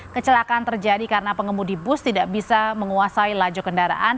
kecelakaan terjadi karena pengemudi bus tidak bisa menguasai laju kendaraan